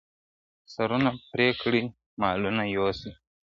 سرونه پرې کړي مالونه یوسي `